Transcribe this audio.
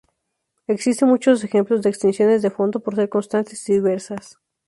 Existe muchos ejemplo de extinciones de fondo por ser constantes y diversas.